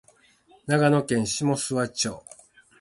長野県下諏訪町